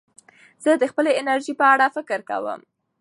زه د خپلې انرژۍ په اړه فکر کوم.